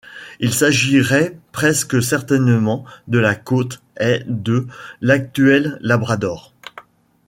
Il s'agirait presque certainement de la côte est de l'actuel Labrador.